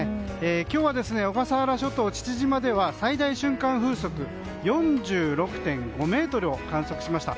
今日は小笠原諸島父島では最大瞬間風速４６．５メートルを観測しました。